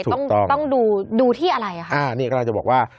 ต้องต้องดูดูที่อะไรอ่ะค่ะอ่านี่กำลังจะบอกว่า